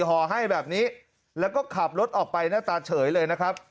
ห่อให้แบบนี้แล้วก็ขับรถออกไปหน้าตาเฉยเลยนะครับ